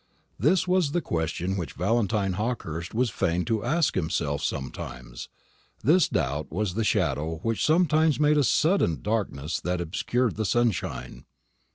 This was the question which Valentine Hawkehurst was fain to ask himself sometimes; this doubt was the shadow which sometimes made a sudden darkness that obscured the sunshine.